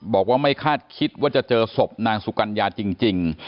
บอกว่าไม่คาดคิดว่าจะเจอศพนางสุกัญญาจริง